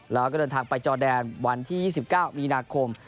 แล้วก็เดินทางไปจอแดนวันที่๒๙มีนาคม